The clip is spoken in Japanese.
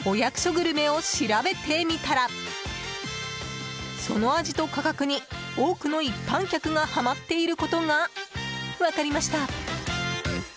グルメを調べてみたらその味と価格に多くの一般客がハマっていることが分かりました。